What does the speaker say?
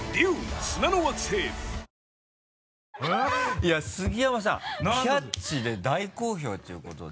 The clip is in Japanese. いや杉山さん「キャッチ！」で大好評っていうことで。